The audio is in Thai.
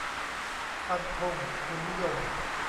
'ฟันธงทุนนิยม'